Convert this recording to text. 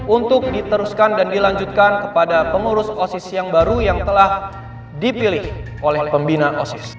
untuk diteruskan dan dilanjutkan kepada pengurus osis yang baru yang telah dipilih oleh pembina osis